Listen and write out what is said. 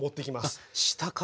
あっ下から。